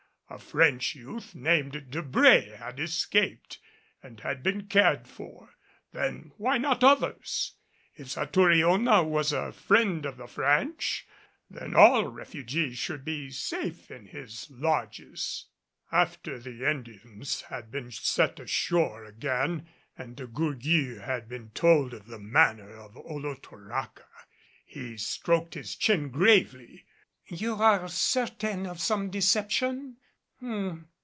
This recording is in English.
A French youth named Debré had escaped and had been cared for. Then why not others? If Satouriona was a friend of the French, then all refugees should be safe in his lodges. After the Indians had been set ashore again and De Gourgues had been told of the manner of Olotoraca, he stroked his chin gravely. "You are certain of some deception?